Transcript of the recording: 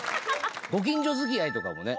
ご近所付き合いとかもね。